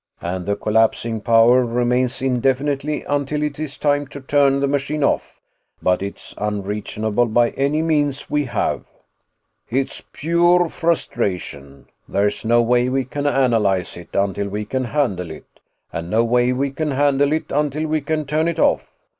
And the collapsing power remains indefinitely until it is time to turn the machine off, but it's unreachable by any means we have. "It's pure frustration. There's no way we can analyze it until we can handle it, and no way we can handle it until we can turn it off.